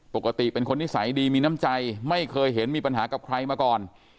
ปกติเป็นคนนิสัยดีมีน้ำใจไม่เคยเห็นมีปัญหากับใครมาก่อน